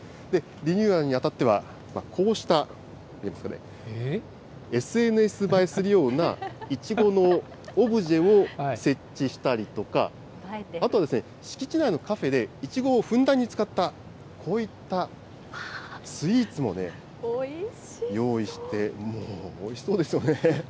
リニューアルにあたっては、こうした、ＳＮＳ映えするようないちごのオブジェを設置したりとか、あと、敷地内のカフェでいちごをふんだんに使った、こういったスイーツもね、用意して、もうおいしそうですよね。